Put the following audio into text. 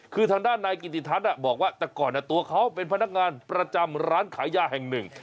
คือทางด้านนายกิติทัศน์บอกว่าแต่ก่อนตัวเขาเป็นพนักงานประจำร้านขายยาแห่งหนึ่ง